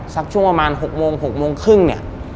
สักช่วงประมาณ๖โมง๖โมงครึ่งเนี่ย